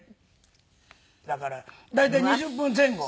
だから大体２０分前後。